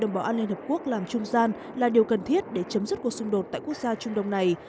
đồng bảo an liên hợp quốc làm trung gian là điều cần thiết để chấm dứt cuộc xung đột tại quốc gia trung đông này